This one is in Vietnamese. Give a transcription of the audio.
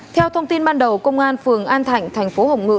theo thông tin ban đầu công an phường an thạnh thành phố hồng ngự